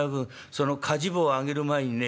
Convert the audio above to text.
その梶棒上げる前にね